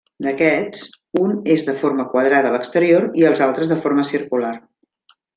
D'aquests, un és de forma quadrada a l'exterior i els altres de forma circular.